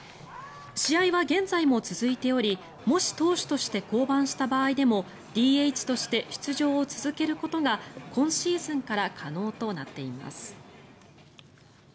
試合は現在も続いておりもし投手として降板した場合でもＤＨとして出場を続けることが今シーズンから可能となっています。